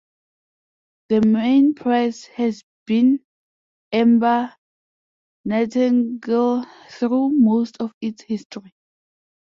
The main prize has been Amber Nightingale through most of its history.